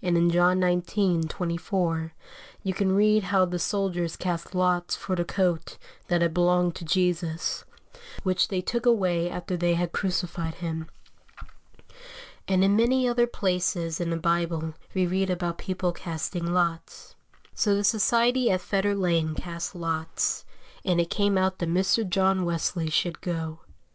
And in John xix. 24, you can read how the soldiers cast lots for the coat that had belonged to Jesus, which they took away after they had crucified Him. And in many other places in the Bible we read about people casting lots. So the society at Fetter Lane cast lots, and it came out that Mr. John Wesley should go.